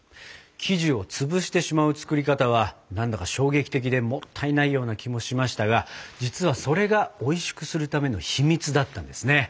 生地をつぶしてしまう作り方は何だか衝撃的でもったいないような気もしましたが実はそれがおいしくするための秘密だったんですね。